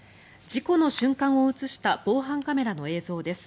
事故の瞬間を映した防犯カメラの映像です。